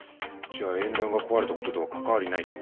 じゃあ縁談が壊れた事とは関わりないと？